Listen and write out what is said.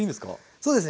そうですね。